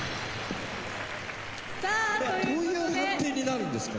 どういう判定になるんですか？